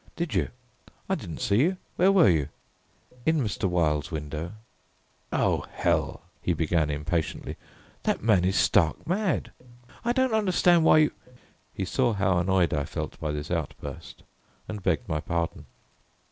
"Did you? I didn't see you. Where were you?" "In Mr. Wilde's window." "Oh, hell!" he began impatiently, "that man is stark mad! I don't understand why you " He saw how annoyed I felt by this outburst, and begged my pardon.